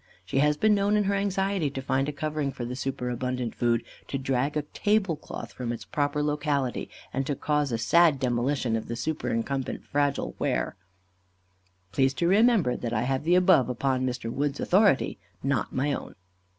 She has been known, in her anxiety to find a covering for the superabundant food, to drag a tablecloth from its proper locality, and to cause a sad demolition of the superincumbent fragile ware. Please to remember that I have the above upon Mr. Wood's authority, not my own.